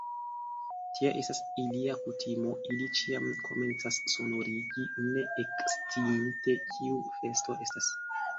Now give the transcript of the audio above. Tia estas ilia kutimo; ili ĉiam komencas sonorigi, ne eksciinte, kiu festo estas!